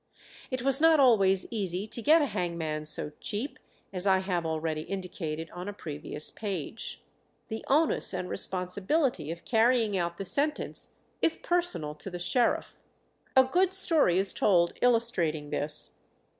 It was not always easy to get a hangman so cheap, as I have already indicated on a previous page. The onus and responsibility of carrying out the sentence is personal to the sheriff. A good story is told illustrating this.